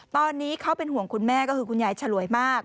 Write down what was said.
ตอนนี้เขาเป็นห่วงคุณแม่ก็คือคุณยายฉลวยมาก